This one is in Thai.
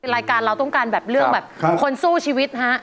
รายการเราต้องการแบบเรื่องแบบคนสู้ชีวิตฮะ